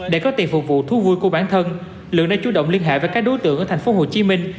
để có tiền phục vụ thú vui của bản thân lượng đã chú động liên hệ với các đối tượng ở thành phố hồ chí minh